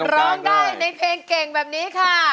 ร้องได้ในเพลงเก่งแบบนี้ค่ะ